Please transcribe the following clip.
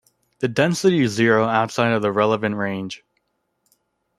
The density is zero outside of the relevant range.